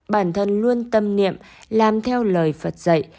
bản thân luôn tâm niệm làm theo lời phật dạy